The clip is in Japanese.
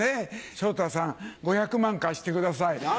昇太さん５００万貸してください。